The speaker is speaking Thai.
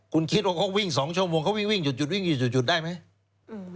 คุณคิดว่าเขาวิ่ง๒ชั่วโมงเขาวิ่งหยุดหยุดได้ไหม